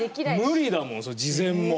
無理だもんそれ事前も。